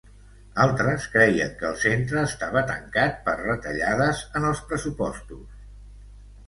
Altres creien que el centre estava tancat per retallades en els pressupostos.